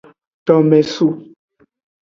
Tomesu.